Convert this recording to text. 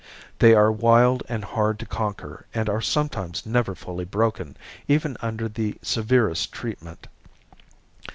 They are wild and hard to conquer and are sometimes never fully broken even under the severest treatment.